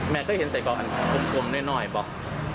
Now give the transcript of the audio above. แม่ก็เห็นใส่กอกอันคลมน้อยบอก